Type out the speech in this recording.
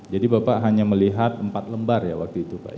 jadi bapak hanya melihat empat lembar ya waktu itu pak